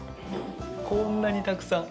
こんなにたくさん。